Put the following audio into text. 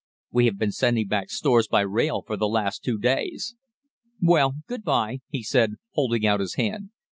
We have been sending back stores by rail for the last two days. Well, good bye,' he said, holding out his hand.